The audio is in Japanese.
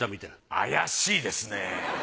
怪しいですね。